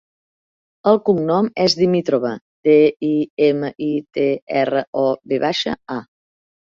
El cognom és Dimitrova: de, i, ema, i, te, erra, o, ve baixa, a.